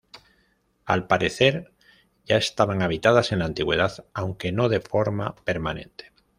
Al parecer ya estaban habitadas en la antigüedad aunque no de forma permanente.